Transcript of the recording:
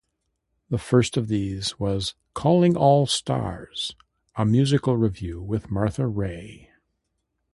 The first of these was "Calling All Stars", a musical revue with Martha Raye.